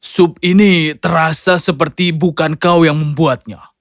sup ini terasa seperti bukan kau yang membuatnya